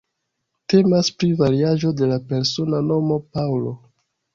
Temas pri variaĵo de la persona nomo "Paŭlo".